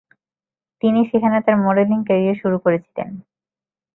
তিনি সেখানে তার মডেলিং ক্যারিয়ার শুরু করেছিলেন।